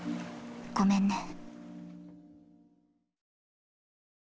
ごめんね。